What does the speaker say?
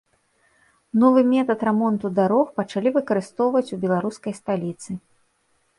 Новы метад рамонту дарог пачалі выкарыстоўваць у беларускай сталіцы.